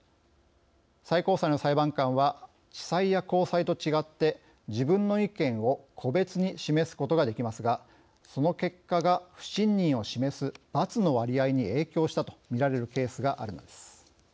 最高裁の裁判官は地裁や高裁と違って自分の意見を個別に示すことができますがその結果が不信任を示す「×」の割合に影響したとみられるケースがあるのです。